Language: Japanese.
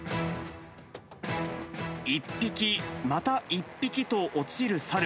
１匹、また１匹と落ちるサル。